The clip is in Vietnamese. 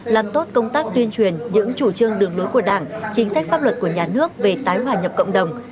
làm tốt công tác tuyên truyền những chủ trương đường lối của đảng chính sách pháp luật của nhà nước về tái hòa nhập cộng đồng